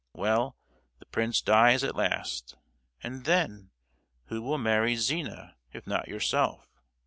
Well, the prince dies at last, and then, who will marry Zina, if not yourself?